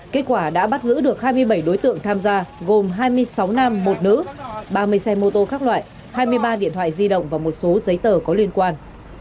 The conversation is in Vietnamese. kết quả đã bắt giữ được hai mươi bảy đối tượng tham gia gồm hai mươi sáu nam một nữ ba mươi xe mô tô các loại hai mươi ba điện thoại di động và một số giấy tờ có liên quan